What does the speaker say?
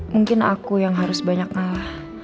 mungkin aku yang harus banyak ah